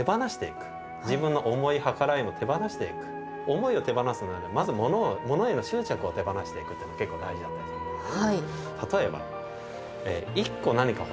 思いを手放すにはまず物への執着を手放していくというのが結構大事だったりするんですね。